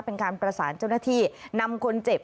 เป็นการประสานเจ้าหน้าที่นำคนเจ็บ